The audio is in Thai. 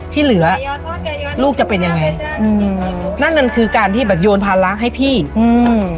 ที่เหลือลูกจะเป็นยังไงอืมนั่นมันคือการที่แบบโยนภาระให้พี่อืม